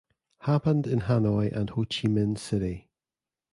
Happened in Hanoi and Ho Chi Minh city.